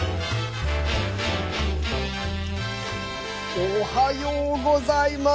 おはようございます。